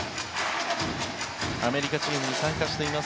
アメリカチームに参加しています